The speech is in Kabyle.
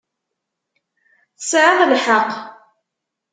Tesɛiḍ lḥeqq.